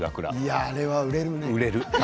あれは売れる。